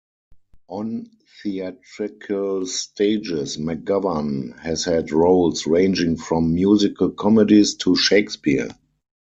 On theatrical stages, McGovern has had roles ranging from musical comedies to Shakespeare.